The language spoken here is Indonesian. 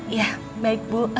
iya baik bu